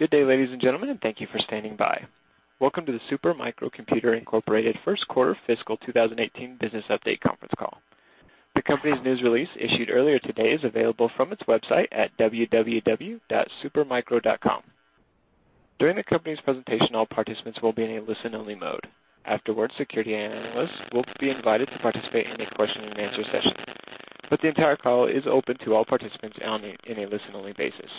Good day, ladies and gentlemen, and thank you for standing by. Welcome to the Super Micro Computer, Inc. First Quarter Fiscal 2018 Business Update Conference Call. The company's news release issued earlier today is available from its website at www.supermicro.com. During the company's presentation, all participants will be in a listen-only mode. Afterwards, security analysts will be invited to participate in a question and answer session. The entire call is open to all participants in a listen-only basis.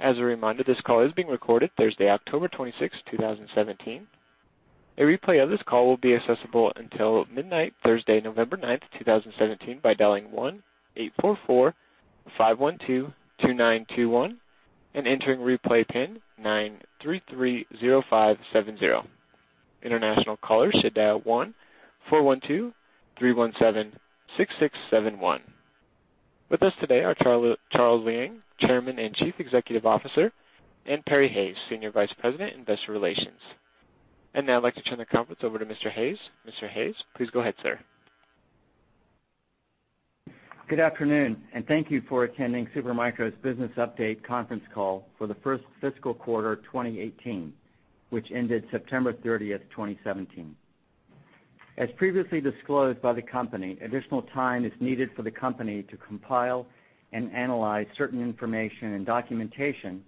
As a reminder, this call is being recorded Thursday, October 26, 2017. A replay of this call will be accessible until midnight Thursday, November 9, 2017, by dialing 1-844-512-2921 and entering replay pin 9330570. International callers should dial 1-412-317-6671. With us today are Charles Liang, Chairman and Chief Executive Officer, and Perry Hayes, Senior Vice President, Investor Relations. Now I'd like to turn the conference over to Mr. Hayes. Mr. Hayes, please go ahead, sir. Good afternoon and thank you for attending Super Micro's Business Update Conference Call for the first fiscal quarter 2018, which ended September 30th, 2017. As previously disclosed by the company, additional time is needed for the company to compile and analyze certain information and documentation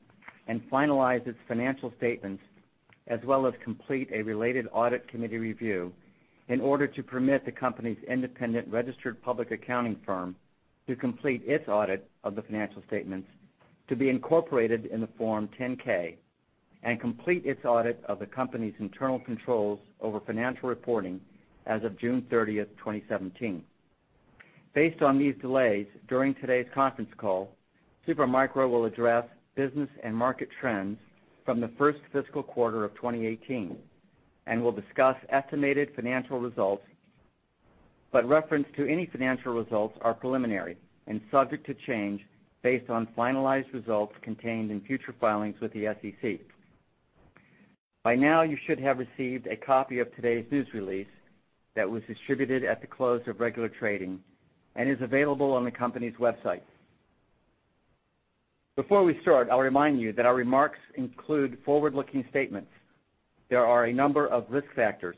and finalize its financial statements, as well as complete a related audit committee review in order to permit the company's independent registered public accounting firm to complete its audit of the financial statements to be incorporated in the Form 10-K and complete its audit of the company's internal controls over financial reporting as of June 30th, 2017. Based on these delays, during today's conference call, Super Micro will address business and market trends from the first fiscal quarter of 2018 and will discuss estimated financial results. Reference to any financial results are preliminary and subject to change based on finalized results contained in future filings with the SEC. By now, you should have received a copy of today's news release that was distributed at the close of regular trading and is available on the company's website. Before we start, I'll remind you that our remarks include forward-looking statements. There are a number of risk factors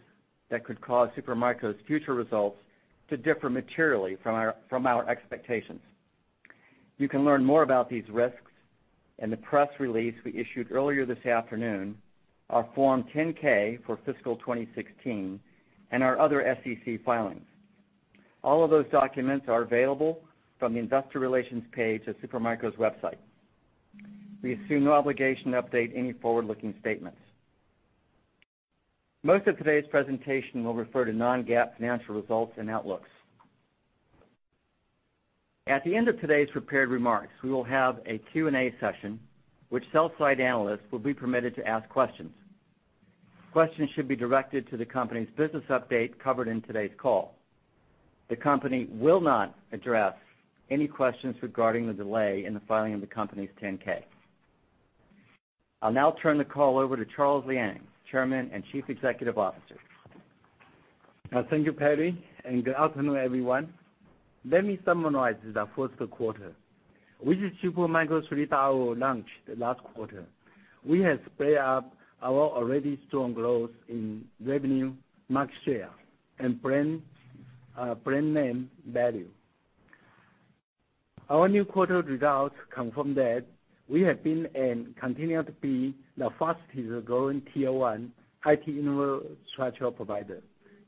that could cause Super Micro's future results to differ materially from our expectations. You can learn more about these risks in the press release we issued earlier this afternoon, our Form 10-K for fiscal 2016, and our other SEC filings. All of those documents are available from the Investor Relations page of Supermicro's website. We assume no obligation to update any forward-looking statements. Most of today's presentation will refer to non-GAAP financial results and outlooks. At the end of today's prepared remarks, we will have a Q&A session, which sell side analysts will be permitted to ask questions. Questions should be directed to the company's business update covered in today's call. The company will not address any questions regarding the delay in the filing of the company's 10-K. I'll now turn the call over to Charles Liang, Chairman and Chief Executive Officer. Thank you, Perry, and good afternoon, everyone. Let me summarize the first quarter. With Supermicro's 3D IO launch last quarter, we have sped up our already strong growth in revenue, market share, and brand name value. Our new quarter results confirm that we have been and continue to be the fastest-growing Tier 1 IT infrastructure provider,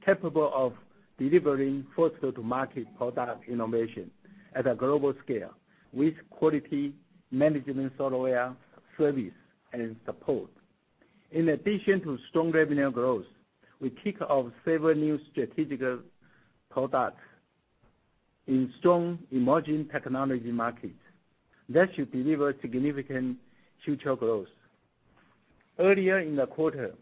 capable of delivering first go-to-market product innovation at a global scale, with quality management software, service, and support. In addition to strong revenue growth, we kicked off several new strategic products in strong emerging technology markets that should deliver significant future growth. Earlier in the quarter,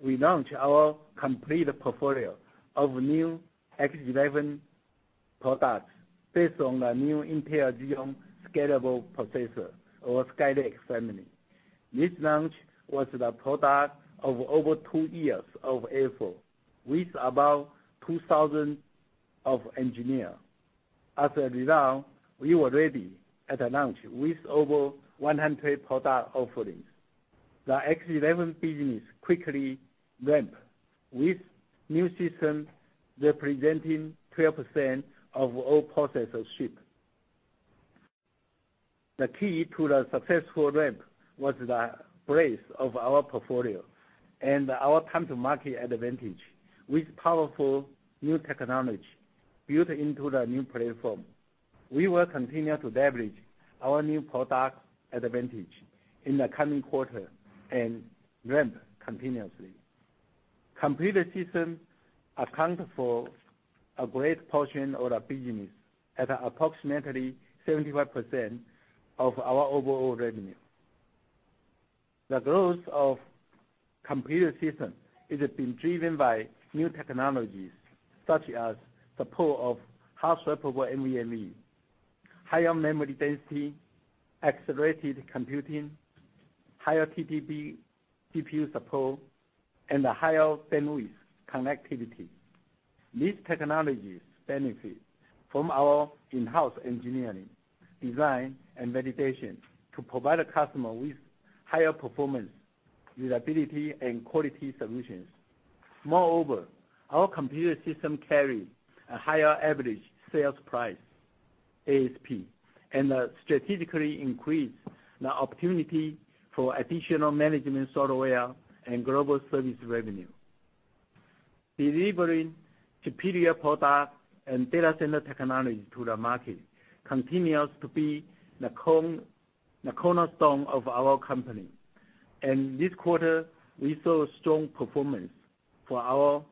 we launched our complete portfolio of new X11 products based on the new Intel Xeon Scalable processor or Skylake family. This launch was the product of over two years of effort with about 2,000 engineers. As a result, we were ready at launch with over 100 product offerings. The X11 business quickly ramped, with new systems representing 12% of all processors shipped. The key to the successful ramp was the breadth of our portfolio and our time-to-market advantage with powerful new technology built into the new platform. We will continue to leverage our new product advantage in the coming quarter and ramp continuously. Computer systems account for a great portion of the business at approximately 75% of our overall revenue. The growth of computer systems has been driven by new technologies such as support of hot swappable NVMe, higher memory density, accelerated computing, higher TDP CPU support, and higher bandwidth connectivity. These technologies benefit from our in-house engineering, design, and validation to provide a customer with higher performance, usability, and quality solutions. Moreover, our computer system carries a higher average sales price, ASP, and strategically increase the opportunity for additional management software and global service revenue. Delivering superior products and data center technology to the market continues to be the cornerstone of our company. This quarter, we saw strong performance for our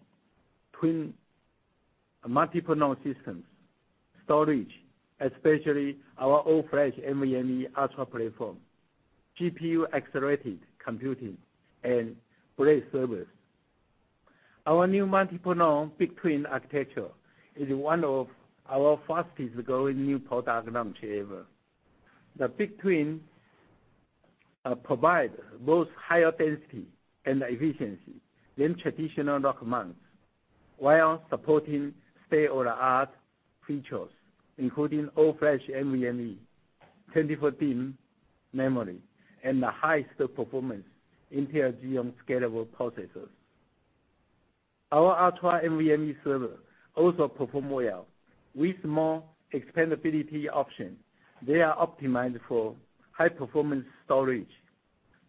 Twin multi-node systems storage, especially our all-flash NVMe Ultra platform, GPU-accelerated computing, and blade servers. Our new multi-node BigTwin architecture is one of our fastest-growing new product launch ever. The BigTwin provide both higher density and efficiency than traditional rack mounts, while supporting state-of-the-art features, including all-flash NVMe, 24 DIMM memory, and the highest performance Intel Xeon Scalable processors. Our Ultra NVMe server also perform well. With more expandability option, they are optimized for high-performance storage,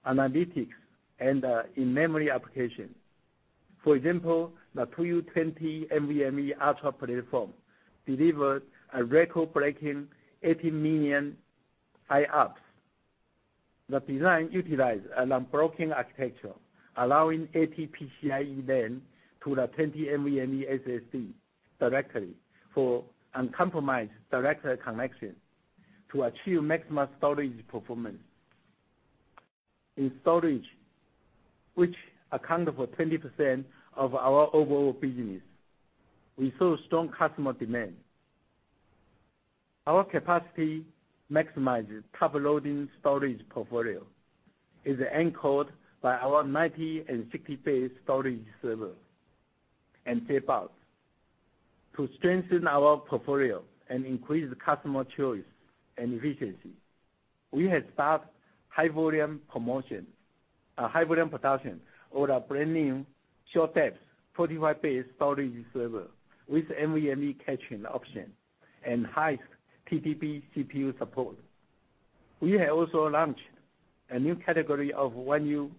analytics, and in-memory application. For example, the 2U20 NVMe Ultra platform deliver a record-breaking 80 million IOPS. The design utilizes an unbroken architecture, allowing 80 PCIe lanes to the 20 NVMe SSDs directly for uncompromised direct connection to achieve maximum storage performance. In storage, which accounts for 20% of our overall business, we saw strong customer demand. Our capacity maximizes top-loading storage portfolio is anchored by our 90- and 60-bay storage server and tape outs. To strengthen our portfolio and increase customer choice and efficiency, we have started high volume production of the brand new SureTAP 45-bay storage server with NVMe caching option and high TDP CPU support. We have also launched a new category of 1U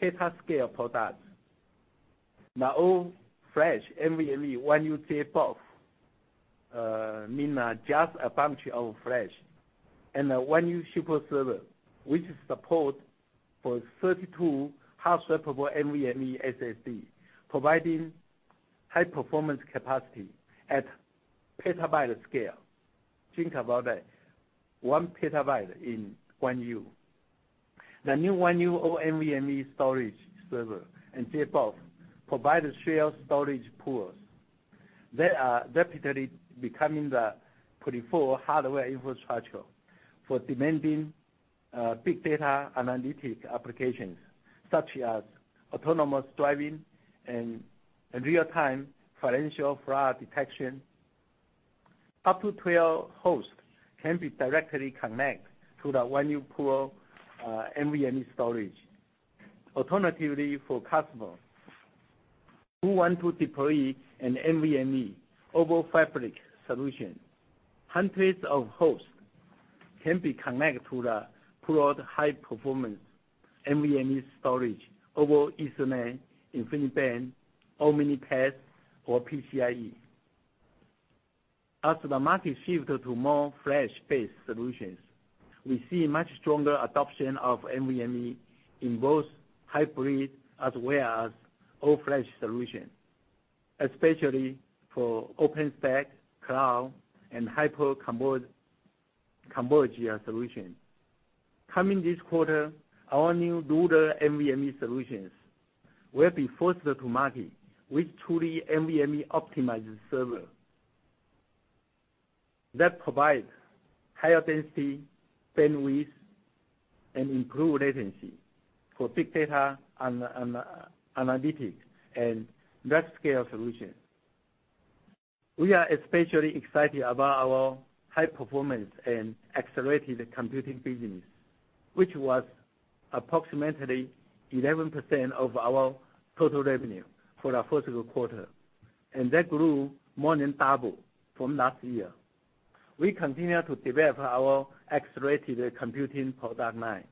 petascale products. The all-flash NVMe 1U JBOD, meaning just a bunch of flash, and a 1U SuperServer, which supports 32 hot-swappable NVMe SSDs, providing high performance capacity at petabyte scale. Think about that. One petabyte in 1U. The new 1U all NVMe storage server and JBOD provide shared storage pools that are rapidly becoming the preferred hardware infrastructure for demanding big data analytics applications such as autonomous driving and real-time financial fraud detection. Up to 12 hosts can be directly connected to the 1U pooled NVMe storage. Alternatively, for customers who want to deploy an NVMe over Fabric solution, hundreds of hosts can be connected to the pooled high performance NVMe storage over Ethernet, InfiniBand, Omni-Path, or PCIe. As the market shifts to more flash-based solutions, we see much stronger adoption of NVMe in both hybrid as well as all-flash solutions, especially for OpenStack, cloud, and hyperconverged solutions. Coming this quarter, our new dual NVMe solutions will be first to market with truly NVMe optimized server that provides higher density, bandwidth, and improved latency for big data analytics and large-scale solutions. We are especially excited about our high performance and accelerated computing business, which was approximately 11% of our total revenue for the first quarter, and that grew more than double from last year. We continue to develop our accelerated computing product line,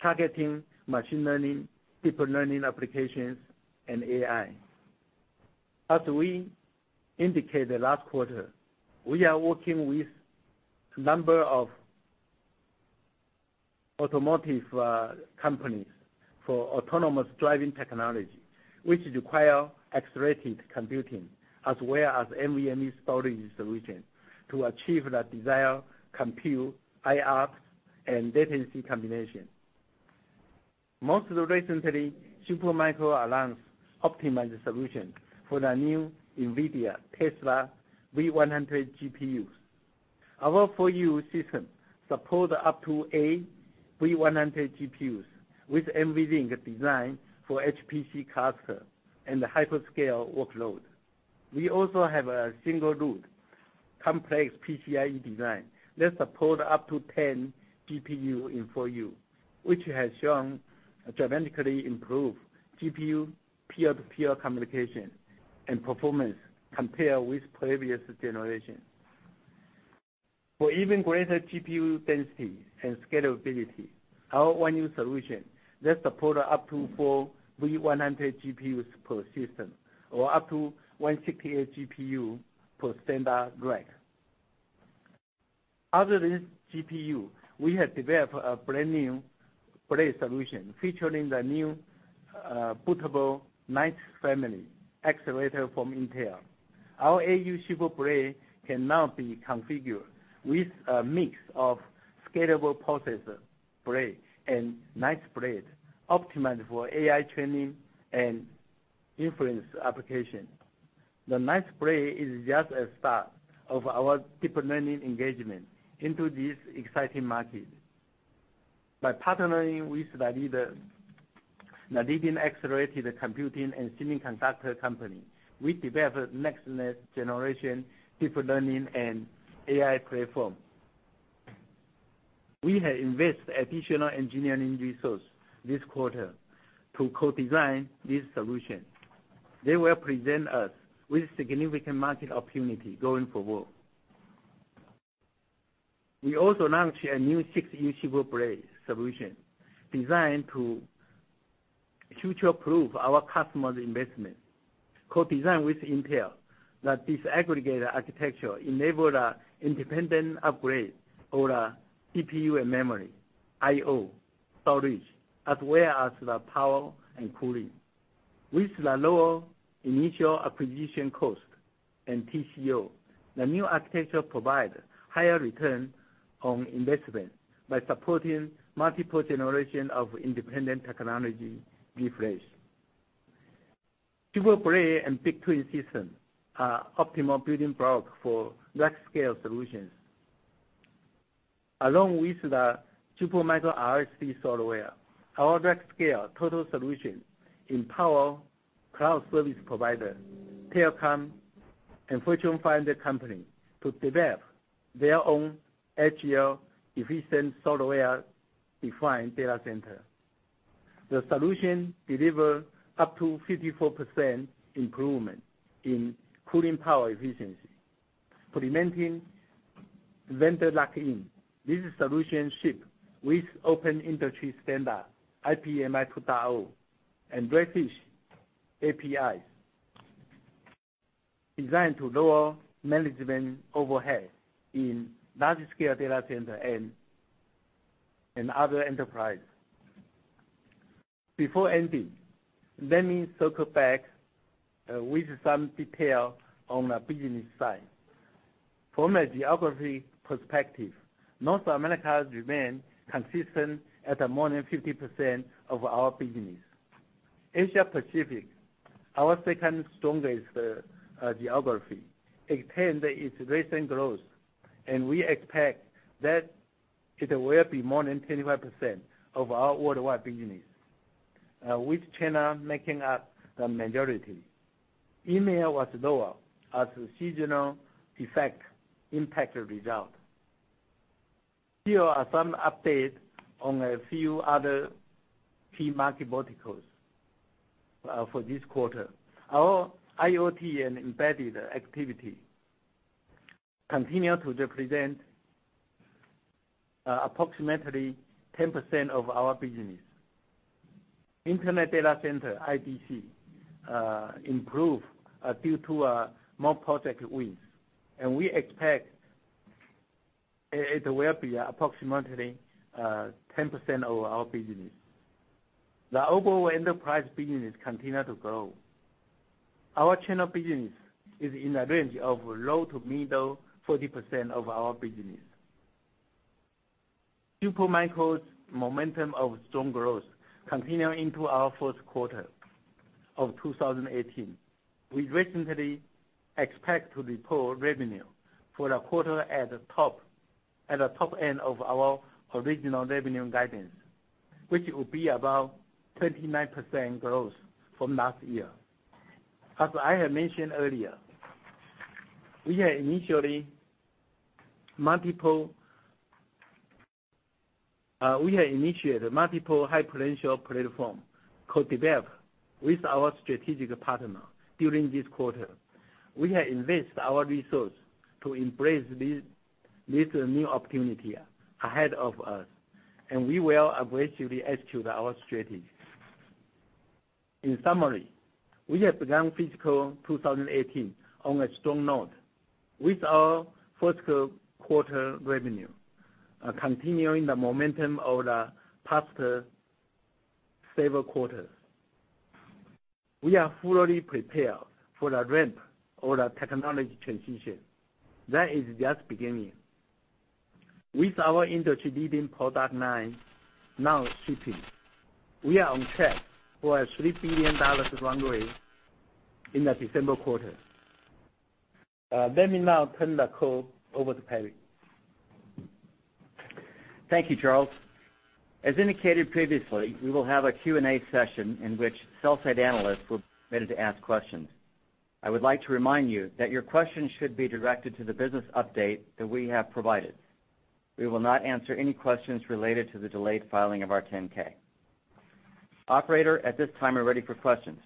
targeting machine learning, deep learning applications, and AI. As we indicated last quarter, we are working with a number of automotive companies for autonomous driving technology, which requires accelerated computing as well as NVMe storage solutions to achieve the desired compute IOPS and latency combination. Most recently, Super Micro announced optimized solutions for the new NVIDIA Tesla V100 GPUs. Our 4U system supports up to eight V100 GPUs with NVLink design for HPC cluster and the hyperscale workload. We also have a single root complex PCIe design that supports up to 10 GPUs in 4U, which has shown dramatically improved GPU peer-to-peer communication and performance compared with previous generation. For even greater GPU density and scalability, our 1U solution that supports up to four V100 GPUs per system or up to 168 GPUs per standard rack. Other than GPU, we have developed a brand-new blade solution featuring the new bootable Knights family accelerator from Intel. Our 8U SuperBlade can now be configured with a mix of scalable processor blade and Knights blade optimized for AI training and inference applications. The Knights blade is just a start of our deep learning engagement into this exciting market. By partnering with the leading accelerated computing and semiconductor company, we developed next-generation deep learning and AI platforms. We have invested additional engineering resources this quarter to co-design this solution. They will present us with significant market opportunities going forward. We also launched a new 6U SuperBlade solution designed to future-proof our customers' investment. Co-designed with Intel, that disaggregated architecture enable the independent upgrade of the CPU and memory, I/O, storage, as well as the power and cooling. With the lower initial acquisition cost and TCO, the new architecture provide higher return on investment by supporting multiple generation of independent technology refresh. SuperBlade and BigTwin system are optimal building block for rack scale solutions. Along with the Supermicro RSD software, our rack scale total solution empower cloud service provider, telecom, and Fortune 500 company to develop their own agile, efficient, software-defined data center. The solution deliver up to 54% improvement in cooling power efficiency. Preventing vendor lock-in, this solution ship with open industry standard IPMI 2.0 and Redfish APIs, designed to lower management overhead in large scale data center and other enterprise. Before ending, let me circle back with some detail on the business side. From a geography perspective, North America remain consistent at more than 50% of our business. Asia Pacific, our second strongest geography, extends its recent growth, and we expect that it will be more than 25% of our worldwide business, with China making up the majority. EMEA was lower as seasonal effect impact result. Here are some update on a few other key market verticals for this quarter. Our IoT and embedded activity continue to represent approximately 10% of our business. Internet data center, IDC, improve due to more project wins, and we expect it will be approximately 10% of our business. The overall enterprise business continue to grow. Our China business is in the range of low to middle 40% of our business. Super Micro's momentum of strong growth continue into our fourth quarter of 2018. We recently expect to report revenue for the quarter at the top end of our original revenue guidance, which will be about 29% growth from last year. As I have mentioned earlier, we have initiated multiple high potential platform co-develop with our strategic partner during this quarter. We have invest our resource to embrace this new opportunity ahead of us, and we will aggressively execute our strategy. In summary, we have begun fiscal 2018 on a strong note with our first quarter revenue continuing the momentum of the past several quarters. We are fully prepared for the ramp of the technology transition that is just beginning. With our industry-leading product line now shipping, we are on track for a $3 billion runway for the December quarter. Let me now turn the call over to Perry. Thank you, Charles. As indicated previously, we will have a Q&A session in which sell-side analysts will be permitted to ask questions. I would like to remind you that your questions should be directed to the business update that we have provided. We will not answer any questions related to the delayed filing of our 10-K. Operator, at this time, we're ready for questions.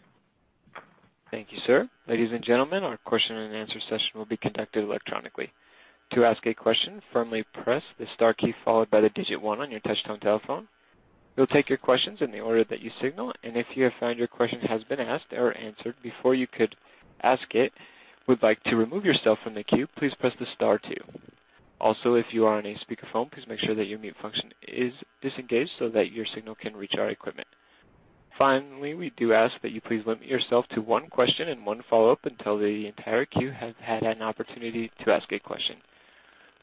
Thank you, sir. Ladies and gentlemen, our question and answer session will be conducted electronically. To ask a question, firmly press the star key followed by the digit one on your touchtone telephone. We'll take your questions in the order that you signal. If you have found your question has been asked or answered before you could ask it, would like to remove yourself from the queue, please press the star two. Also, if you are on a speakerphone, please make sure that your mute function is disengaged so that your signal can reach our equipment. Finally, we do ask that you please limit yourself to one question and one follow-up until the entire queue has had an opportunity to ask a question.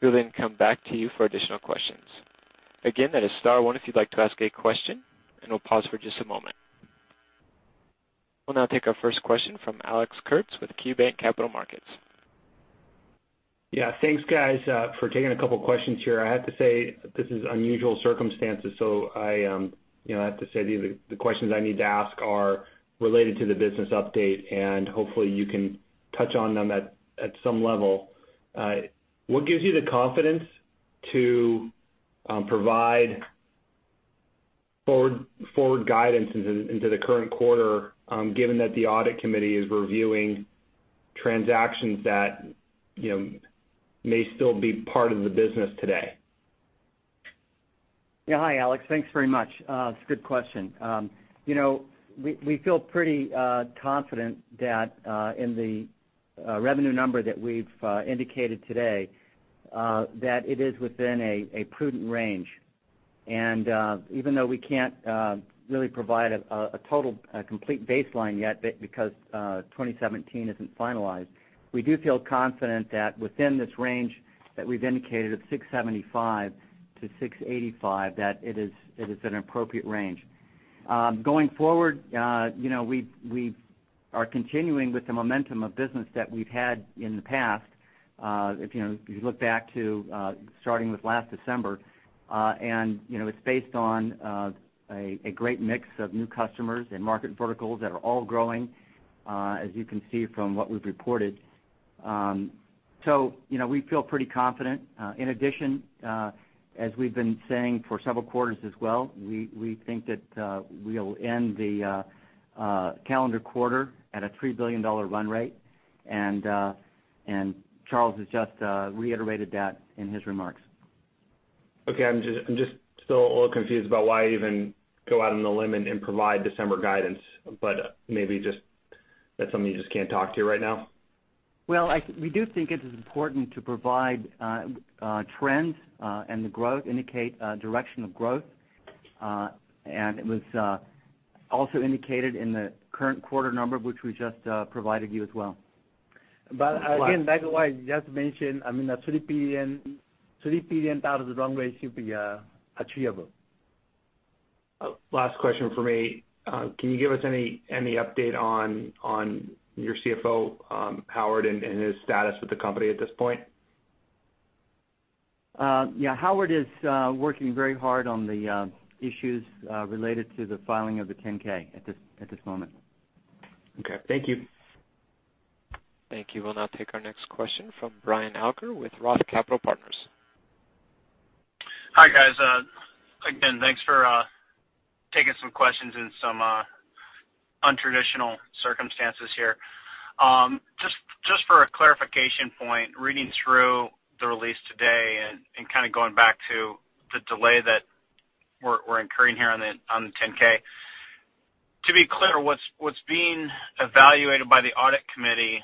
We'll then come back to you for additional questions. Again, that is star one if you'd like to ask a question. We'll pause for just a moment. We'll now take our first question from Alex Kurtz with KeyBanc Capital Markets. Thanks, guys, for taking a couple questions here. I have to say, this is unusual circumstances. I have to say the questions I need to ask are related to the business update. Hopefully, you can touch on them at some level. What gives you the confidence to provide forward guidance into the current quarter, given that the audit committee is reviewing transactions that may still be part of the business today? Hi, Alex. Thanks very much. It's a good question. We feel pretty confident that in the revenue number that we've indicated today, that it is within a prudent range. Even though we can't really provide a total complete baseline yet because 2017 isn't finalized, we do feel confident that within this range that we've indicated at $675-$685, that it is an appropriate range. Going forward, we are continuing with the momentum of business that we've had in the past. If you look back to starting with last December, it's based on a great mix of new customers and market verticals that are all growing, as you can see from what we've reported. We feel pretty confident. As we've been saying for several quarters as well, we think that we'll end the calendar quarter at a $3 billion run rate, and Charles has just reiterated that in his remarks. Okay. I'm just still a little confused about why even go out on the limb and provide December guidance, but maybe just that's something you just can't talk to right now. Well, we do think it is important to provide trends and the growth, indicate direction of growth. It was also indicated in the current quarter number, which we just provided you as well. Again, back to what you just mentioned, I mean, the $3 billion run rate should be achievable. Last question from me. Can you give us any update on your CFO, Howard, and his status with the company at this point? Yeah. Howard is working very hard on the issues related to the filing of the 10-K at this moment. Okay. Thank you. Thank you. We'll now take our next question from Brian Alger with Roth Capital Partners. Hi, guys. Again, thanks for taking some questions in some untraditional circumstances here. Just for a clarification point, reading through the release today and kind of going back to the delay that we're incurring here on the 10-K. To be clear, what's being evaluated by the audit committee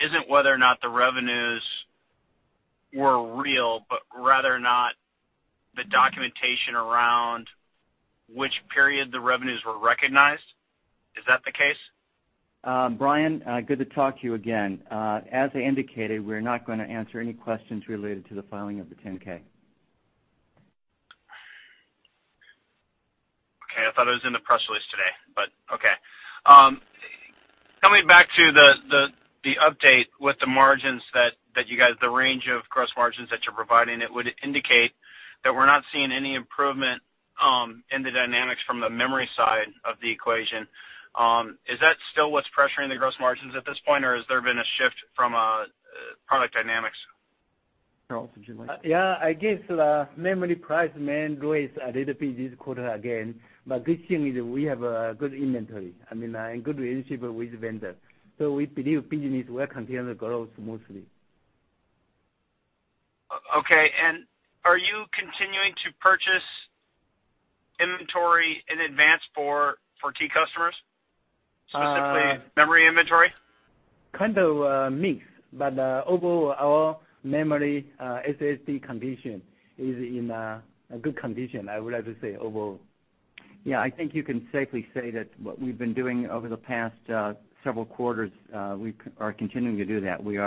isn't whether or not the revenues were real, but rather or not the documentation around which period the revenues were recognized. Is that the case? Brian, good to talk to you again. As I indicated, we're not going to answer any questions related to the filing of the 10-K. Okay. I thought it was in the press release today, okay. Coming back to the update with the margins that you guys, the range of gross margins that you're providing, it would indicate that we're not seeing any improvement in the dynamics from the memory side of the equation. Is that still what's pressuring the gross margins at this point, or has there been a shift from a product dynamics? Charles, would you like? Yeah, I guess memory price may grow a little bit this quarter again. Good thing is we have a good inventory. I mean, and good relationship with vendor. We believe business will continue to grow smoothly. Okay. Are you continuing to purchase inventory in advance for key customers, specifically memory inventory? Kind of a mix. Overall, our memory SSD condition is in a good condition, I would have to say, overall. Yeah, I think you can safely say that what we've been doing over the past several quarters, we are continuing to do that. We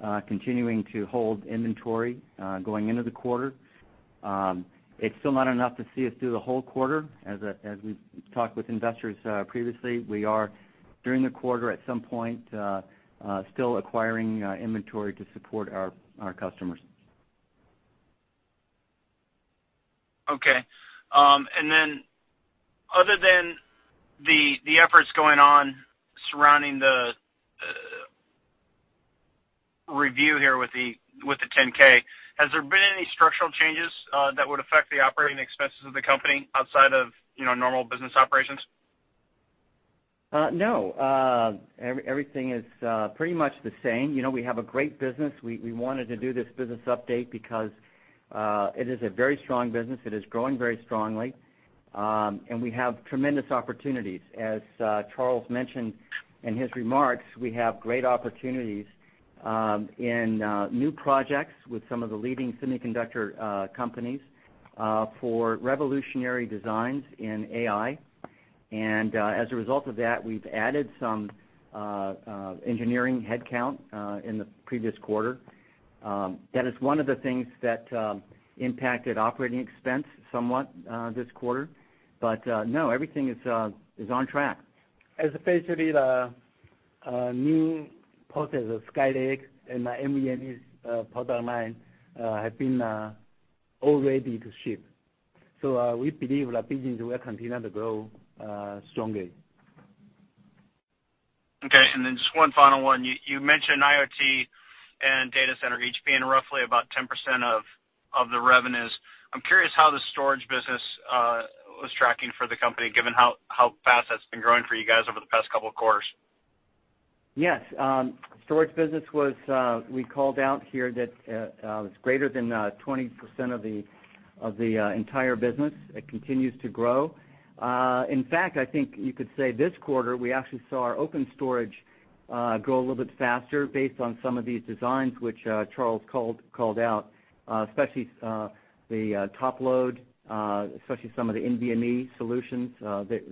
are continuing to hold inventory going into the quarter. It's still not enough to see us through the whole quarter. As we've talked with investors previously, we are, during the quarter at some point, still acquiring inventory to support our customers. Okay. Other than the efforts going on surrounding the review here with the 10-K, has there been any structural changes that would affect the operating expenses of the company outside of normal business operations? No. Everything is pretty much the same. We have a great business. We wanted to do this business update because it is a very strong business. It is growing very strongly. We have tremendous opportunities. As Charles mentioned in his remarks, we have great opportunities in new projects with some of the leading semiconductor companies, for revolutionary designs in AI. As a result of that, we've added some engineering headcount in the previous quarter. That is one of the things that impacted operating expense somewhat, this quarter. No, everything is on track. Basically the new process of Skylake and the NVMe product line have been all ready to ship. We believe the business will continue to grow strongly. Okay. Just one final one. You mentioned IoT and data center, each being roughly about 10% of the revenues. I'm curious how the storage business was tracking for the company, given how fast that's been growing for you guys over the past couple of quarters. Yes. Storage business was, we called out here that, was greater than 20% of the entire business. It continues to grow. In fact, I think you could say this quarter, we actually saw our open storage grow a little bit faster based on some of these designs, which Charles called out. Especially, the top load, especially some of the NVMe solutions,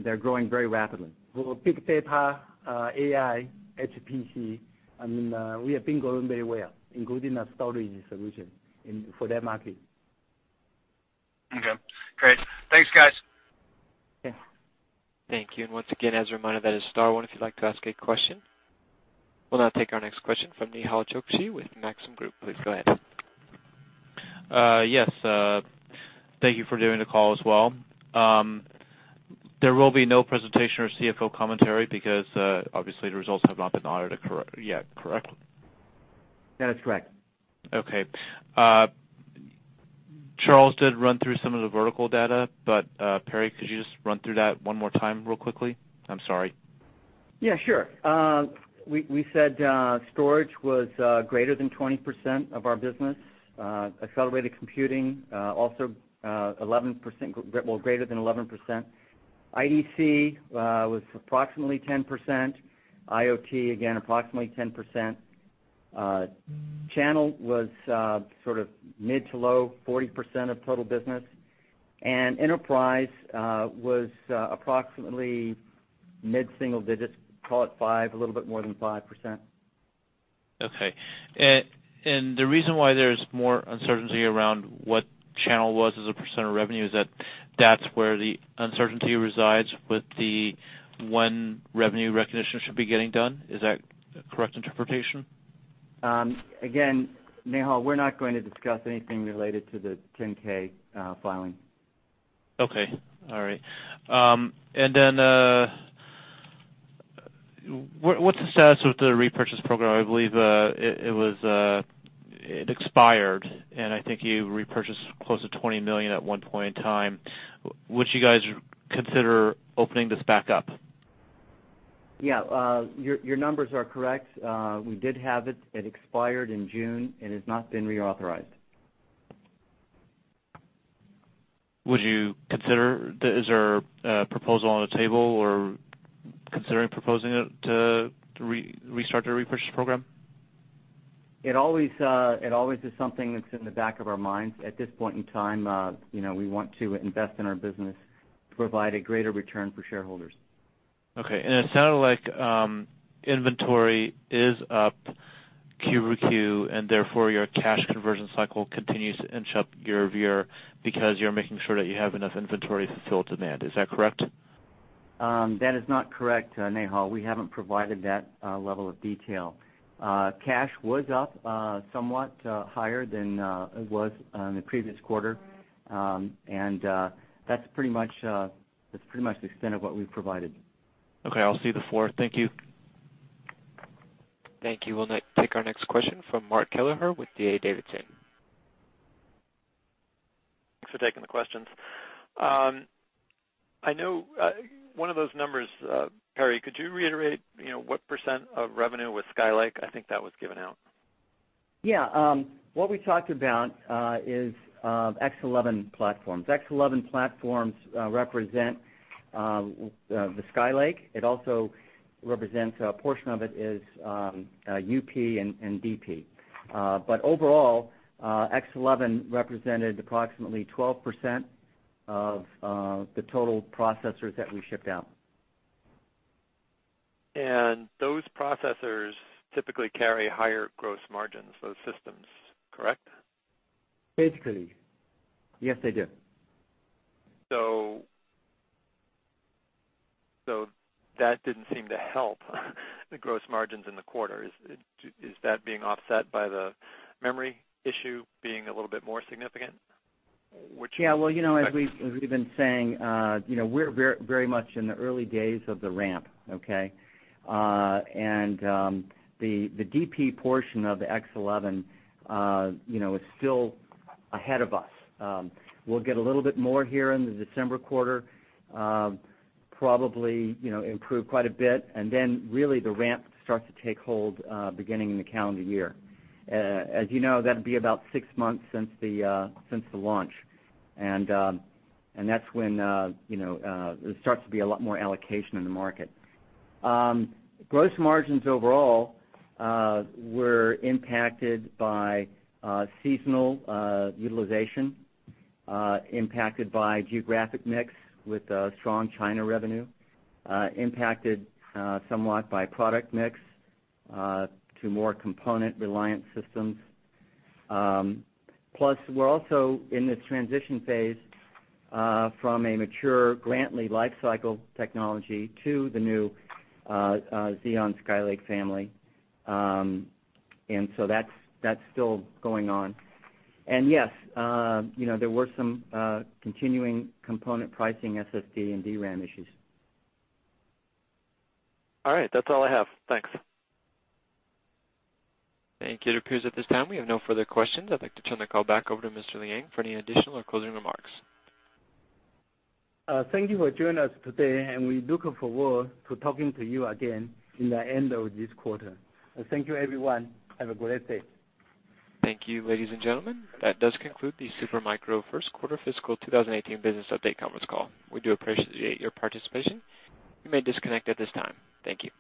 they're growing very rapidly. For big data, AI, HPC, and we have been growing very well, including our storage solution for that market. Okay, great. Thanks, guys. Yeah. Thank you. Once again, as a reminder, that is star one if you'd like to ask a question. We'll now take our next question from Nehal Chokshi with Maxim Group. Please go ahead. Yes. Thank you for doing the call as well. There will be no presentation or CFO commentary because, obviously, the results have not been audited yet, correct? That is correct. Okay. Charles did run through some of the vertical data, but, Perry, could you just run through that one more time real quickly? I'm sorry. Yeah, sure. We said storage was greater than 20% of our business. Accelerated computing, also 11%, well greater than 11%. IDC, was approximately 10%. IoT, again, approximately 10%. Channel was sort of mid to low 40% of total business, and enterprise was approximately mid-single digits, call it 5%, a little bit more than 5%. Okay. The reason why there's more uncertainty around what channel was as a % of revenue is that that's where the uncertainty resides with the when revenue recognition should be getting done. Is that a correct interpretation? Again, Nehal, we're not going to discuss anything related to the 10-K filing. Okay. All right. What's the status with the repurchase program? I believe it expired, and I think you repurchased close to $20 million at one point in time. Would you guys consider opening this back up? Yeah. Your numbers are correct. We did have it. It expired in June, and it has not been reauthorized. Would you consider, is there a proposal on the table or considering proposing it to restart the repurchase program? It always is something that's in the back of our minds. At this point in time, we want to invest in our business to provide a greater return for shareholders. Okay. It sounded like inventory is up Q-over-Q, therefore your cash conversion cycle continues to inch up year-over-year because you're making sure that you have enough inventory to fulfill demand. Is that correct? That is not correct, Nehal. We haven't provided that level of detail. Cash was up somewhat higher than it was in the previous quarter. That's pretty much the extent of what we've provided. Okay. I'll cede the floor. Thank you. Thank you. We'll take our next question from Mark Kelleher with D.A. Davidson. Thanks for taking the questions. I know one of those numbers, Perry, could you reiterate what % of revenue was Skylake? I think that was given out. Yeah. What we talked about is X11 platforms. X11 platforms represent the Skylake. It also represents a portion of it is UP and DP. Overall, X11 represented approximately 12% of the total processors that we shipped out. Those processors typically carry higher gross margins, those systems, correct? Basically. Yes, they do. That didn't seem to help the gross margins in the quarter. Is that being offset by the memory issue being a little bit more significant? Well, as we've been saying, we're very much in the early days of the ramp, okay? The DP portion of the X11 is still ahead of us. We'll get a little bit more here in the December quarter, probably improve quite a bit. Then really the ramp starts to take hold, beginning in the calendar year. As you know, that'd be about six months since the launch. That's when there starts to be a lot more allocation in the market. Gross margins overall were impacted by seasonal utilization, impacted by geographic mix with strong China revenue, impacted somewhat by product mix to more component-reliant systems. Plus, we're also in this transition phase from a mature Grantley lifecycle technology to the new Xeon Skylake family. That's still going on. Yes, there were some continuing component pricing, SSD, and DRAM issues. All right. That's all I have. Thanks. Thank you. It appears at this time we have no further questions. I'd like to turn the call back over to Mr. Liang for any additional or closing remarks. Thank you for joining us today, and we look forward to talking to you again in the end of this quarter. Thank you, everyone. Have a great day. Thank you, ladies and gentlemen. That does conclude the Super Micro First Quarter Fiscal 2018 Business Update Conference Call. We do appreciate your participation. You may disconnect at this time. Thank you.